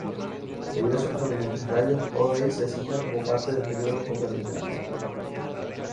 Debido a sus prominentes rayos, O'Day se asigna como parte del Período Copernicano.